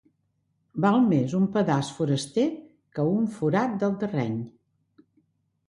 Val més un pedaç foraster, que un forat del terreny.